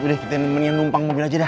udah kita mendingan numpang mobil aja dah